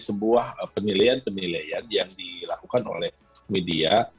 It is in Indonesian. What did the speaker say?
sebuah penilaian penilaian yang dilakukan oleh media